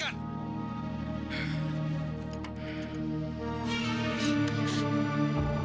asal tua pak tujik